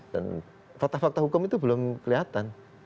dan fakta fakta hukum itu belum kelihatan